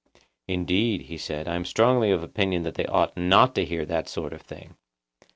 Indeed, he said, I am strongly of opinion that they ought not to hear that sort of thing.